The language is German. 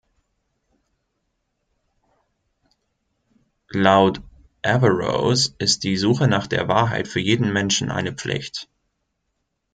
Laut Averroes ist die Suche nach der Wahrheit für jeden Menschen eine Pflicht.